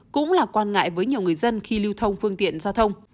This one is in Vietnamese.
cũng là quan ngại với nhiều người dân khi lưu thông phương tiện giao thông